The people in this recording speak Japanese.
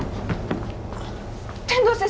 天堂先生